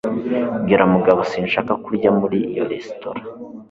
Bwira Mugabo sinshaka kurya muri iyo resitora.